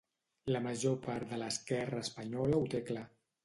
La major part de l'esquerra espanyola ho té clar.